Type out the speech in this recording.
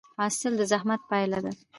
حاصل د زحمت پایله ده؟